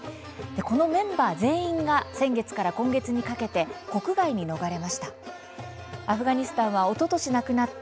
このメンバー全員が先月から今月にかけて国外に逃れました。